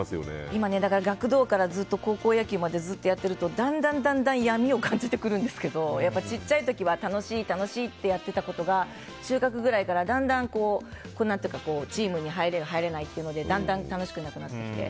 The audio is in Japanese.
今、学童から高校野球までやっていると、だんだん闇を感じてくるんですけど小さい時は楽しい楽しいってやっていたことが中学ぐらいからだんだんチームに入れる入れないでだんだん楽しくなくなってきて。